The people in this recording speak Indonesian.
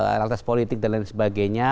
realitas politik dan lain sebagainya